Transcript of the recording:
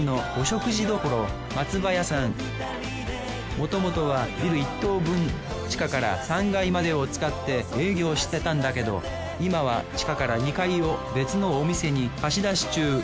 元々はビル一棟分地下から３階までを使って営業してたんだけど今は地下から２階を別のお店に貸し出し中。